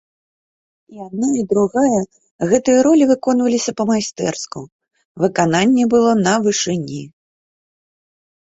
І адна, і другая, гэтыя ролі выконваліся па-майстэрску, выкананне было на вышыні.